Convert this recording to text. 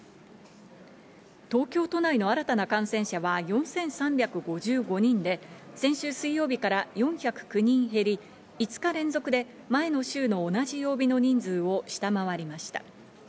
東京都内の新たな感染者は４３５５人で、先週水曜日から４０９人減り、５日連続で前の週の同じ曜日の人数を下回りました。